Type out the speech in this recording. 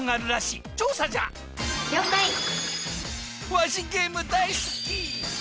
わしゲーム大好き！